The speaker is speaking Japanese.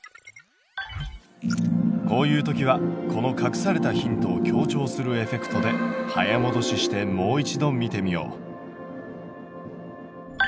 こういう時はこの隠されたヒントを強調するエフェクトで早もどししてもう一度見てみよう。